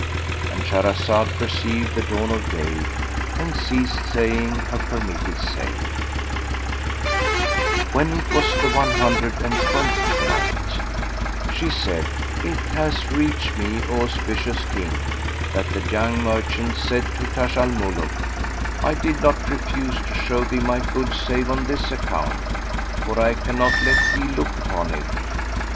"—And Shahrazad perceived the dawn of day and ceased saying her permitted say, When it was the One Hundred and Twelfth Night, She said, It hath reached me, O auspicious King, that the young merchant said to Taj al Muluk, "I did not refuse to show thee my goods save on this account, for I cannot let thee look upon it."